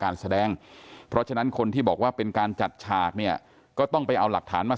การแสดงเพราะฉะนั้นคนที่บอกว่าเป็นการจัดฉากเนี่ยก็ต้องไปเอาหลักฐานมา